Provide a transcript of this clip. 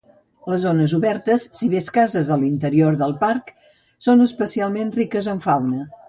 Les zones obertes, si bé escasses a l'interior del parc, són especialment riques en fauna.